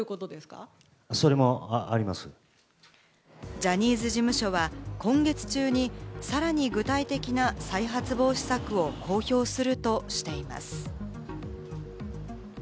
ジャニーズ事務所は今月中に、さらに具体的な再発防止策を公表するとしています。